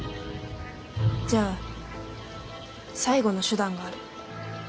じゃあ最後の手段がある。